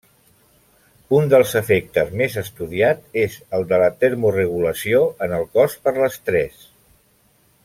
Un dels efectes més estudiat és el de la termoregulació en el cos per l'estrès.